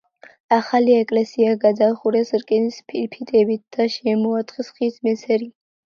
ახალი ეკლესია გადახურეს რკინის ფირფიტებით და შემოარტყეს ხის მესერი.